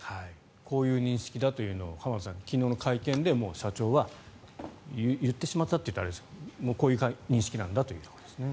こういう認識だというのを浜田さん、昨日の会見でもう社長は言ってしまったと言ったらあれですけどもうこういう認識なんだというところですね。